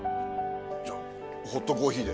じゃあホットコーヒーで。